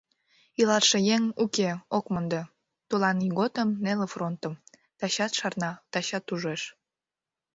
Илалше еҥ, уке, ок мондо Тулан ийготым, неле фронтым, Тачат шарна, тачат ужеш.